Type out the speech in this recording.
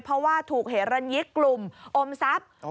เพราะว่าถูกเหรันยิกกลุ่มอมทรัพย์